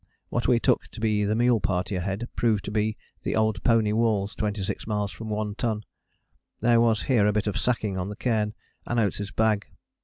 What we took to be the mule party ahead proved to be the old pony walls 26 miles from One Ton. There was here a bit of sacking on the cairn, and Oates' bag.